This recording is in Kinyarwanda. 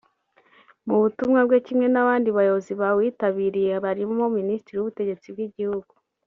Mu butumwa bwe kimwe n’abandi bayobozi bawitabiriye barimo Minisitiri w’Ubutegetsi bw’Igihugu